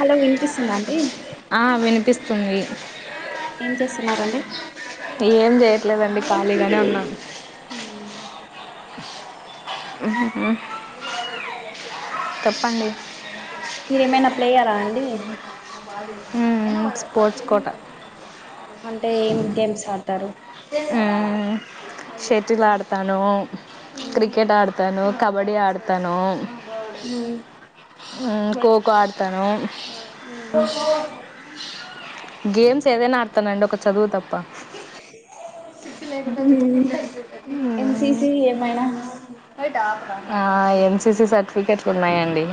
Hello వినిపిస్తుంద అండి స్తుంది ఏం చేస్తున్నారండి లేదండి ఖాళీగానే ఉన్నా హ్ హ్ చెప్పండి మీరేమైనా ప్లేయరండి ఉ స్పోర్ట్స్ కోట అంటే ఏం గేమ్స్ ఆడతారు మ్మ్ షటిల్ ఆడతాను కబడి ఆడతాను ఉ కో కోడతను ఆ గేమ్స్ ఏదైనా ఆడతానండి ఒక చదువు తప్ప సిగ్గు లేకుండా చెప్పుకుంటారు చూడు అది ఎన్ సి సి ఏమైనా ఏటడాపు [unintelligible] అ ఎన్ సి సి సర్ టికెట్లు ఉన్నాయండి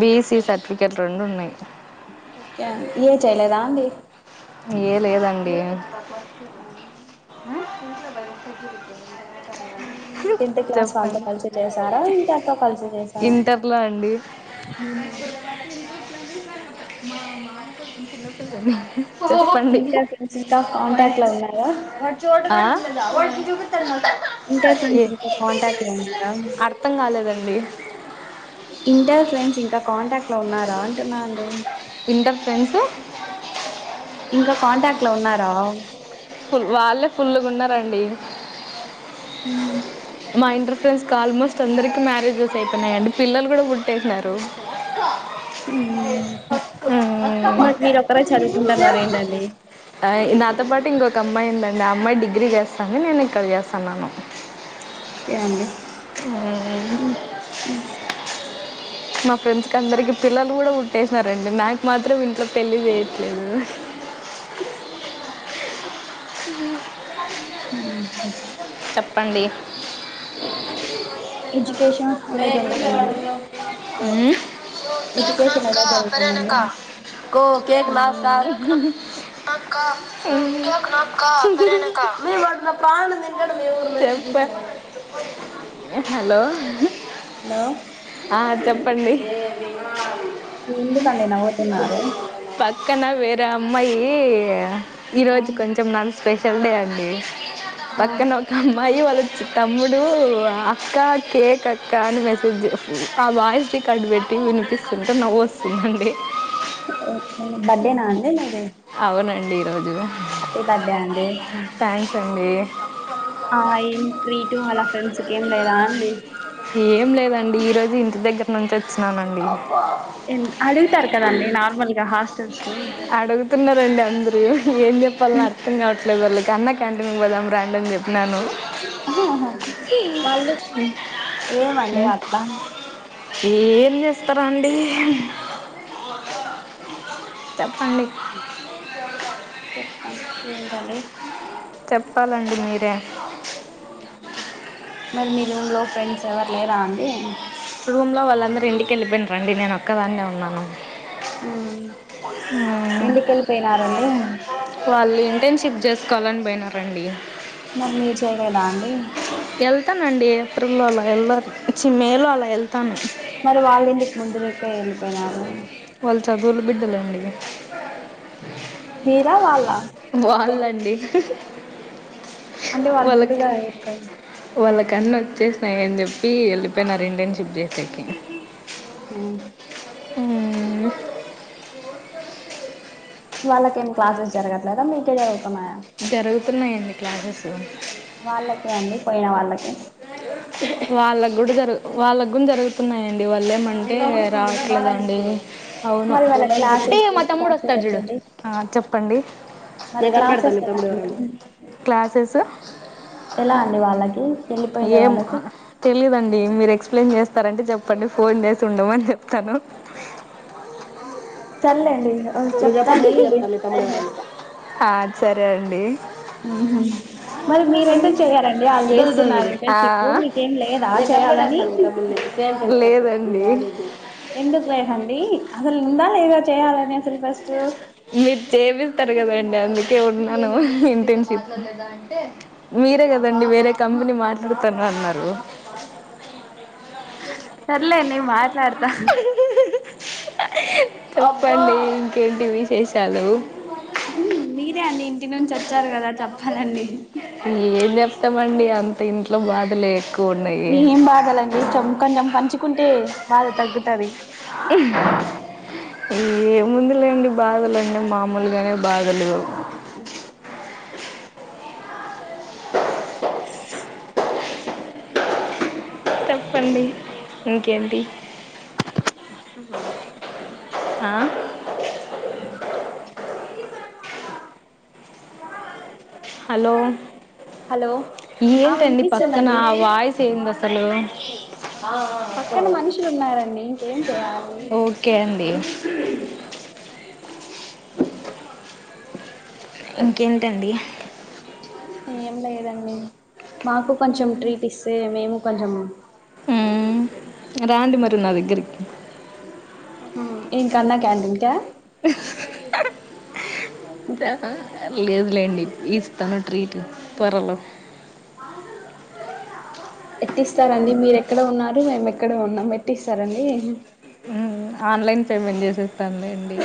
బి సి సర్టిఫికెట్లు రెండు ఉన్నాయి ఓకే ఏ చేయలేద అండి ఏ లేదండి ై టెన్త్ క్లాస్ వాళ్ళతో కలిసి చేశారా ఇంటర్ తో కలిసి చేసారా. ఇంటర్లో అండి చెప్పండి ఇంటర్ ఫ్రెండ్స్ ఇంకా కాంటాక్ట్ లో ఉన్నారా ఆ ఇంటర్ ఫ్రెండ్స్ ఏ ఇంకా కాంటాక్ట్ లో ఉన్నారా అర్థం కాలేదండి. ఇంటర్ ఫ్రెండ్స్ ఇంకా కాంటాక్ట్ లో ఉన్నారా అంటున్నా అండి ఇంటర్ ఫ్రెండ్స్ ఇంకా కాంటాక్ట్ లో ఉన్నారా ఫుల్ వాళ్ళే ఫులుగున్నారండి ఉ మా ఇంటర్ ఫ్రెండ్స్ కి ఆల్మోస్ట్ అందరికి మ్యారేజెస్ అయిపోయినాయండి. పిల్లలు కూడా పుట్టేసినారు. మ్మ్ ఉ మరి మీరు ఒక్కరే చదువుకుంటున్నారు ఏంటండి అయ్ నాతో పాటు ఇంకొక అమ్మాయిందండి. ఆ అమ్మాయి డిగ్రీ చేస్తంది. నేను ఇక్కడ చేస్తన్నాను. కే అండి మ్మ్. ఉ ఉ మా ఫ్రెండ్స్ అందరికి పిల్లలు కూడా పుట్టేసినారండి నాకు మాత్రం ఇంట్లో పెళ్లి చేయట్లేదు. ఉహు చెప్పండి [inaudible] ఏజ్జుకేషన్ ఎలా జరుగుతుందడి. ఉ కో కే అక్క ఎలా సరేనక్క జరుగుతుందండి కో కే కల ద్దాం ఆహా అక్క సరేలే నాకే నక్క ఆహా అంతేనది క్క మీ వాడు నా పాణం తింటాడు మీ ఊరి పేరు చేప్పే హలో హ్ లో ఆ చెప్పండి ఎందుకండి నవ్వుతున్నారు పక్కన వేరే అమ్మాయి ఏయా ఈ రోజు కొంచెం మన్ స్పెషల్ డే అండి ఆ పక్కన ఒక అమ్మాయి వాళ్ళుచ్చ తమ్ముడు అక్క కేక్ అక్క అని మెసేజ్ జె ఆ వాయిస్ రికార్డు పెట్టి వినిపిస్తుంటే నవ్వు వస్తుందండి బర్త్డేనా అండి మీది ఉ అవునండి ఈరో య హ్యాపీ బడ్డే అండి అండి ఆ ఏం ట్రీటుూ అళ ఫ్రెండ్స్కి ఏం లేదా అండి. ఏం లేదండి ఈరోజు ఇం దగ్గర నుంచి వచ్చిననండి అడుగుతారు కదండి నార్మల్ గా హాస్టల్స్ లో. అడుగుతున్నారండి అందరు అయ్యో ఏం చెప్పాల అర్థం కావట్లేదు వాళ్ళ అన్నా క్యాంటీన్ కి పోదాం రండి అని చెప్పినాను ఆహా వాళ్ళు ఎమ్మన్లే ఉం. అట్లా ఆ [unintelligible] ఏం చేస్తారండి ఏంటండీ చెప్పాలండి మీరే అండీ మరి మీ రూమ్ లో ఫ్రెండ్స్ ఎవరు లేరా అండి రూమ్ లో వాళ్ళందరు ఇంటికెళ్ళి పోయినారు అండి నేను ఓ క్కదాన్నే ఉన్నాను ఊ మ్మ్. ఎందుకు ఎళ్ళిపోయినారండి చెక్ చేసుకోవాలని పోయినారు అండి మరి మీరు చేయలేదా అండి వెళ్తానండి ఏప్రిల్ లో అలా వెళ్లి చి మే లో అలా వెళ్తాను మరి వాళ్ళ ఇంటికి ముందురెక్కే ఎళ్ళిపోయినారు వాళ్ళు చదువులు బిడ్డల అండి మీరా వాళ్లా వాళ్ళండి అంటే వాళ్ళు వాళ్ళకి ముందుగా వెళ్ళిపోయారు వాళ్ళ అన్ని వచ్చేసినాయి అని చెప్పి ఎళ్ళిపోయినారు ఇంటర్న్షిప్ చేసేకి ఉ ఊ వాళ్ళకేం క్లాసెస్ జరగ లేదా మీకె జరుగుతున్నయా తున్నాయండి క్లాసెస్ వాళ్ళకే అండి పోయిన వాళ్ళకి వాళ్ళకు కూడా జరుగు వాళ్ళకు కూడా జరుగుతున్నాయండి వాళ్ళ ఏమంటే రావట్లేదండి అవును మరి వాళ్ళ క్లాసెస్ మా తమ్ముడు క్లాసెస్ వస్తారు చుడు ఎట్టండి ఆ చెప్పండి మరి నేను కనిబెడతా క్లాసెస్ నీ ఎలా తమ్ముడు అండి ఎవరనేది క్లాసెస్ ఎలా అండి వాళ్ళకి వెళ్ళిపోయిండే ఏం వాళ్ళకి తెలీదండి మీర ఎక్స్ప్లెయిన్ చేస్తారంటే చెప్పండి ఫోన్ చేసి ఉండమని చెప్తాను సర్లే అండి ఇగ ఆ నువ్వు చెప్పద్దు చెప్తాండి నేను చెప్తా మీ తమ్ముడు ఎక్స్ప్లెయిన్ ఎవరైనా చేస్తా ఆ, సరే అండి ఉ మరి మీరేం ఎందుకు చేయారండి వాళ్ళు దుల్ దుల్ చేస్తున్నారు దుల్. ఆ, ఇంటర్న్షిప్ మీకేం లేదా నేను చేయాలని అండి ఎందుకు [unintelligible] హాండీ అహలు మీరు చేపిస్తారు కదండి అందుకే ఉన్నాను ఇంటర్న్షిప్ మీరే కదండి వేరే కంపెనీ మాట్లాడుతాను అన్నారు సర్లే నేను మా ట్లాడత చెప్పండి ఇంకేంటి విశేషాలు మీరే అండి ఇంటి నుంచి వచ్చారు కదా చెప్పాలండి ఏం చెప్తామండి అంత ఇంట్లో బాధలే ఎక్కువ ఉన్నాయి న ఏం బాధాలండి చంకని చంకొని తకుంటే బాధ తగ్గుతుంది ఏ ముందు లేండి బాధలున్న మామూలుగానే బాదులు చెప్పండి ఇంకేంటి ఆ హలో హలో ఆ ఏంటండి పక్కన వినిపిస్తుందండి వయిస్ ఏంద సలువే పక్కన మనుషులు ఉన్నారండి ఇంకేం చేయాలి ఓకే అండి ఇంకేంటండి ఏం లేదండి మాకు కొంచెం ట్రీట్ ఇస్తే మేము ప్పంజము అ రాాంంటి మరి నా దగ్గరికి ఏం కన్నా క్యాంటీన్కా లేదులేండి ఈ ఇస్తాను ట్రీట్ త్వరలో ఇప్పిస్తారండి మీరెక్కడ ఉన్నారు మేము ఇక్కడ ఉన్నాం పెట్టిస్తారండి ఉమ్ ఆన్లైన్ పేమెంట్ చేస తను లెండి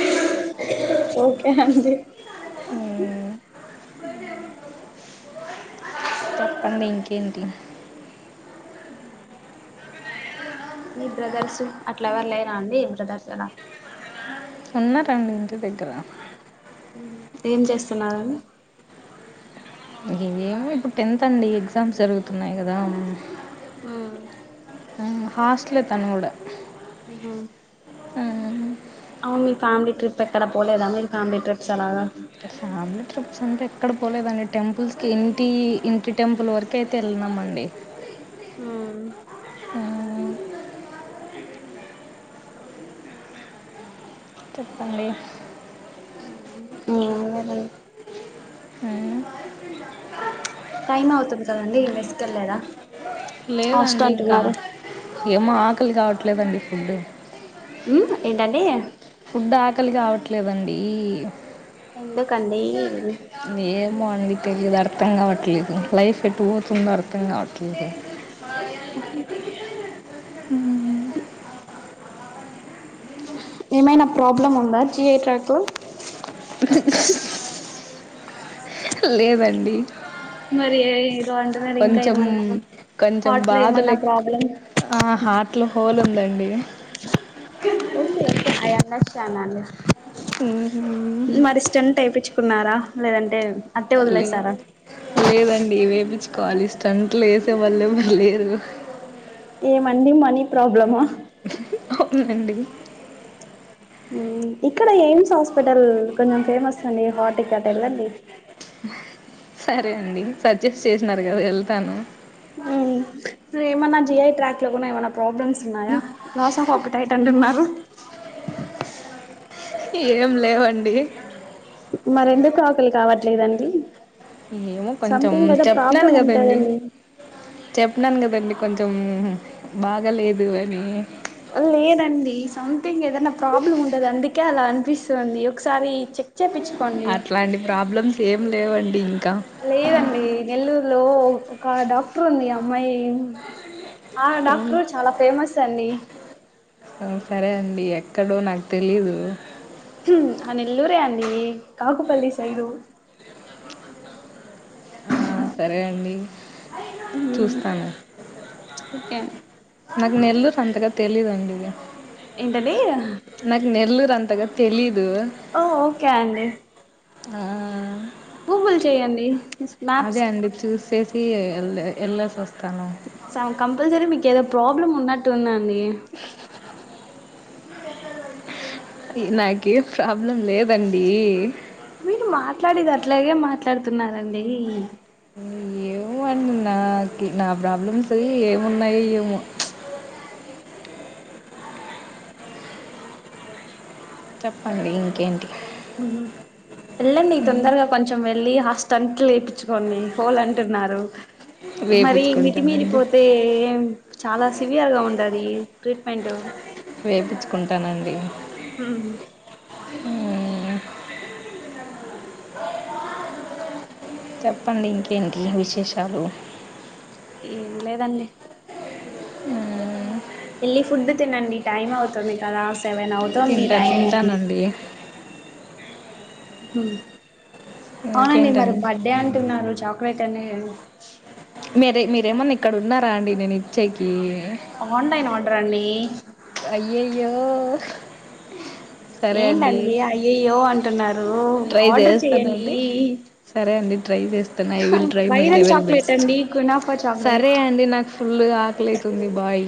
ఓకే అండి చెప్పండి ఇంకేంటి ఉ మీ బ్రదర్సు అట్లా ఎవరు లేరా అండి ఇంటి దగ్గర ఉన్నారండి ఇంట్ ఉహు ఏం చెస్ తున్నారు ఇమి ఇప్పుడు టెన్త్ అండి ఎగ్జామ్స్ జరుగుతున్నాయి కదా ఉమ్ హాస్టట్లే తను కూడా అహ అవును మీ ఫ్యామిలీ ట్రిప్ ఎక్కడ పోలేదా మీ ఫ్యామిలీ ట్రిప్స్ అలాగా ఫామిలీ ట్రిప్స్ అంటే. అక్కడ పోలేదండి టెంపుల్స్ కి ఇంటి ఇంటి టెంపుల్ వరకయితే వెల్లినం అండి. ఉమ్. చెప్పండి. ఉమ్ ఏమున్నదండీ ఉమ్. టైం అవుతుంది కదండి మిస్కెళ్ళేద హస్ట్ లేదండి అంటున్నారు. ట్లేదండి ఫుడ్. ఉ ఏంటండీ. ఫుడ్ ఆకలి కావట్లేదండీ. ఎందుకండీ. ఏమో అండి తెలియదు అర్థం కావట్లేదు లైఫ్ ఎటు పోతుందో అర్థం కావ. ట్లేదు. ఉ. ఏమైనా ప్రాబ్లమ్ ఉందా జియేట్రకు లేదండి. మరి ఏ ఎ కొంచెం కొంచెం హార్ట్ లో బాధలు ఏమన్నా ఎకూ ప్రాబ్లం ఆ హార్ట్లో హోల్ ఉందండి. ఓకే ఆయా. నచ్చన అండి. మరి స్టెంట్ ఏపించుకున్నారా. లేదంటే అట్టే లేదు వదిలేసారా లేదండి వేపిచు కాలి స్టంట్ లు లేసే వాళ్లు ఎవ్వరూ లేరు. ఏ మండి మనీ ప్రాబ్లమ అవునండి హు ఇక్కడ ఎయిమ్స్ హాస్పిటల్ కొంచెం ఫేమస్ నీ హటిక్ అటేళ్ళండి సరే అండి సజెస్ట్ చేసినారు కదా వెళ్తాను ఉమ్ ఏమన్నా జిఐ ట్రాక్ లో కూడా ఏమనా ప్రాబ్లమ్స్ ఉన్నాయా లాసఫ్ ఒక్క టైట్ అంటున్నారు. ఏం లేవండి. మరెందుకు ఆకలి కావట్లేదండి ఏమో కొంచెం సంథింగ్ ఏదో చెప్తున్నాను ప్రాబ్లం కదండి ఉంటదండి చెప్పినాను కదండి కొంచెం బాగలేదు అని లేదండి సంథింగ్ ఏదన్న ప్రాబ్లం ఉంటది అందుకే అలా అనిపిస్ స్తుంది ఒకసారి చెక్ చేపించుకోండి అట్లాంటి ప్రాబ్లమ్స్ ఏం లేవండి. ఇ లేదండి నెల్లూరు లో ఒక డాక్టర్ ఉంది అమ్మాయి ఆ డాక్టరు చాలా ఫేమస్ అండి. హు సరే అండి ఎక్కడో నాకు తెలీదు. హ్ ఆ నెల్లూరే అండి. కాకుపల్లి సైడు. ఆ సరే అండి. చూస్తాను. ఓకే అండి నాకు నెల్లురూ అంతగా తెలిదండి ఇగా ఏంటండి. అంతగా తెలీ ఓ ఓకే అండి. ఆ గూగుల్ చెయ్యండి. అదే అండి చూస్ సేసి ఎ ఎల్లెసి వస్తా. సం కంపల్సరి మీకు ఏదో ప్రాబ్లమ్ ఉన్నట్టు ఉందం డి నాకి ఎం ప్రాబె మీరు మాట్లాడేది అట్లాగే మా మాట్లాడుతున్నారండి. ఏమో అండి నాకి నా ప్రాబ్లమ్స్ ఏమున్నాయి ఏమో. చెప్పండి ఇంకేంటి హుహ్ వెళ్ళండి మ్మ్. తొందరగా కొంచెం వె మళ్ళీ హాస్టంటులేపించుకొని హోల్ అంటున్నారు. మరి వేపించుకుంటానండి మితిమీరిపోతే ఎం చాలా సివియర్ గా ఉంటది ట్రీట్మెంట్. వేపిచుకుంటానండి. హుహ్ చెప్పండి ఇంకేంటి విశేషాలు. ఏం లేదండి. హ్ వెళ్ళి ఫుడ్ తినండి. టైమ్ అవుతుంది కదా సెవెన్ అవుతోంది తింటా టైము. తింటానండి హ్ అవునండి మరి ఇంకేంటండి బర్డె అంటున్నారు చాక్ ఒకేక మీరే మీరేమన్నా ఇక్కడ ఉన్నారా అండి నేను ఇచ్చేకి ఆన్లైన్ ఆర్డర్ అండి అయ్యో అయ్యో ఏం అండి అయ్యయ్యో అంట అంటున్నారు ట్రై ఆర్డర్ చెయ్యడి tries I will try my level best అండి కునాఫా సరే చాక్లెట్ అండి నాకు ఫుల్ ఆకలితుంది బాయ్